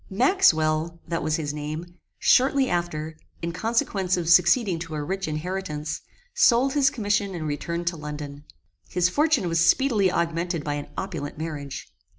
Maxwell, that was his name, shortly after, in consequence of succeeding to a rich inheritance, sold his commission and returned to London. His fortune was speedily augmented by an opulent marriage.